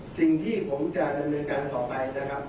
สิ่งที่ผมจะดำเนินการต่อไปนะครับ